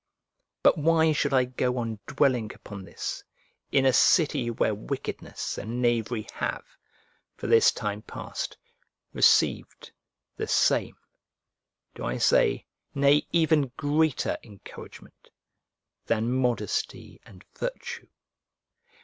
But why should I go on dwelling upon this in a city where wickedness and knavery have, for this time past, received, the same, do I say, nay, even greater encouragement, than modesty and virtue?